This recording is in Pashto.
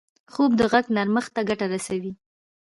خوب د غږ نرمښت ته ګټه رسوي